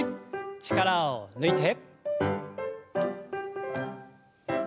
力を抜いて。